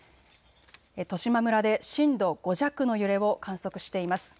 十島村で震度５弱の揺れを観測しています。